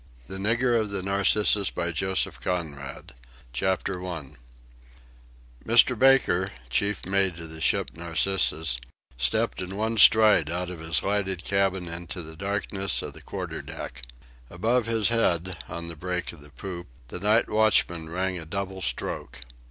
C. THE NIGGER OF THE "NARCISSUS" CHAPTER ONE Mr. Baker, chief mate of the ship Narcissus, stepped in one stride out of his lighted cabin into the darkness of the quarter deck. Above his head, on the break of the poop, the night watchman rang a double stroke.